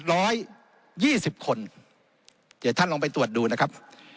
เดี๋ยวท่านลองไปตรวจดูนะครับ